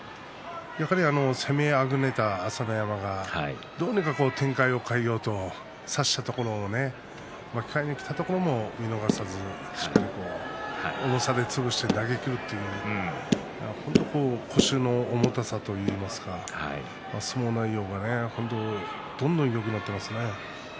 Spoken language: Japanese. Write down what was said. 攻めあぐねた朝乃山がどうにか展開を変えようと差したところ巻き替えにきたところを見逃さず、しっかり重さで潰して投げきるという腰の重たさといいますか相撲内容がどんどんよくなっていますね。